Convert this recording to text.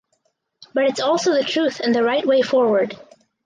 but it’s also the truth and the right way forward.